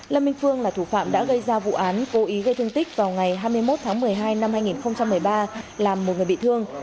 lâm minh phương là thủ phạm đã gây ra vụ án cố ý gây thương tích vào ngày hai mươi một tháng một mươi hai năm hai nghìn một mươi ba làm một người bị thương